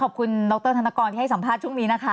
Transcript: ขอบคุณดรธนกรที่ให้สัมภาษณ์ช่วงนี้นะคะ